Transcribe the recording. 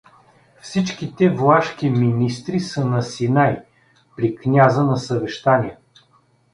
Всичките влашки министри са на Синай при княза на съвещание.